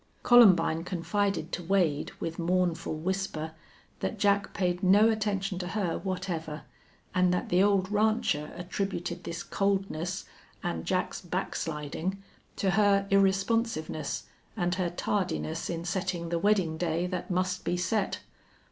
Columbine confided to Wade, with mournful whisper, that Jack paid no attention to her whatever, and that the old rancher attributed this coldness, and Jack's backsliding, to her irresponsiveness and her tardiness in setting the wedding day that must be set.